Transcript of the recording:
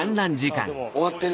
終わってる。